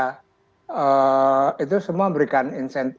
mulai amerika jepang belanda itu semua memberikan insentif